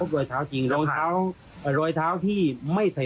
และก็คือว่าถึงแม้วันนี้จะพบรอยเท้าเสียแป้งจริงไหม